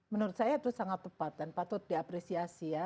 menurut saya itu sangat tepat dan patut diapresiasi ya